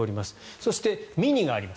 そして、ミニがあります。